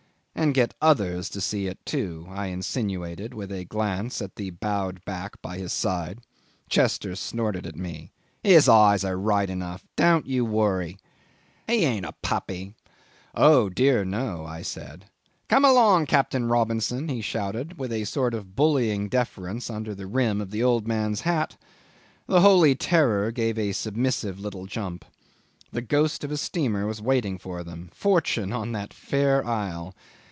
"And get others to see it, too," I insinuated, with a glance at the bowed back by his side. Chester snorted at me. "His eyes are right enough don't you worry. He ain't a puppy." "Oh, dear, no!" I said. "Come along, Captain Robinson," he shouted, with a sort of bullying deference under the rim of the old man's hat; the Holy Terror gave a submissive little jump. The ghost of a steamer was waiting for them, Fortune on that fair isle!